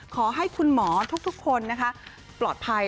ขอให้คุณหมอทุกคนนะคะปลอดภัย